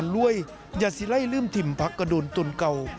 รวยอย่าซิไล่ลืมถิ่นพักกระดูนตุลเก่า